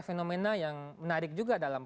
fenomena yang menarik juga dalam